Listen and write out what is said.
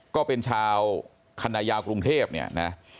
ก็เป็นชาวคณะยาวกรุงเทพเนี่ยนะ